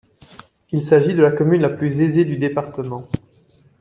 Il s'agit de la commune la plus aisée du département.